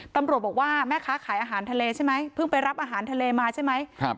ตำรวจบอกว่าแม่ค้าขายอาหารทะเลใช่ไหมเพิ่งไปรับอาหารทะเลมาใช่ไหมครับ